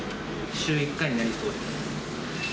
週１回になりそうです。